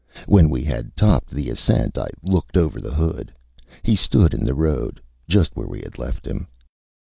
When we had topped the ascent I looked over the hood. He stood in the road just where we had left him.